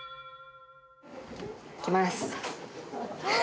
「いきます」